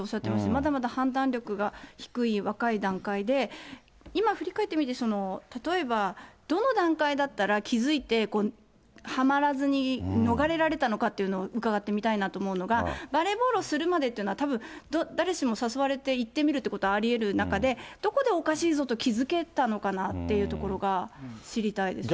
まだまだ判断力が低い若い段階で、今振り返ってみて、例えばどの段階だったら気付いて、はまらずに、逃れられたのかっていうの、伺ってみたいなと思うのが、バレーボールをするまでというのは、たぶん、誰しも誘われて行ってみるってことはありえる中で、どこでおかしいぞと気付けたのかなっていうところが知りたいです